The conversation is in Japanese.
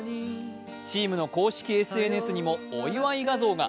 チームの公式ＳＮＳにもお祝い画像が。